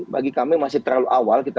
bagi kami masih terlalu awal kita